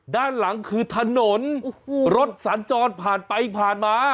ด้านหลังคือถนนรถสารร้อนผ่านไปผ่านมา